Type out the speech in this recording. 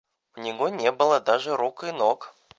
У него не было даже рук и ног.